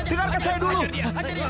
dengarkan saya dulu